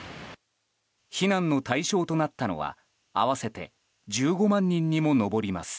避難の対象となったのは合わせて１５万人にも上ります。